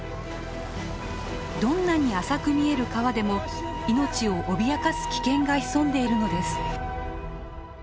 どんなに浅く見える川でも命を脅かす危険が潜んでいるのです。